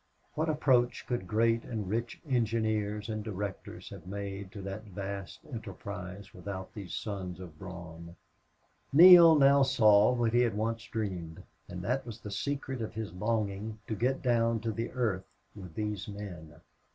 What approach could great and rich engineers and directors have made to that vast enterprise without these sons of brawn? Neale now saw what he had once dreamed, and that was the secret of his longing to get down to the earth with these men.